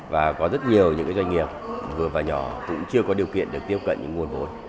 và có rất nhiều những doanh nghiệp vừa và nhỏ cũng chưa có điều kiện được tiếp cận những nguồn vốn